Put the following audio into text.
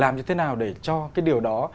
làm như thế nào để cho cái điều đó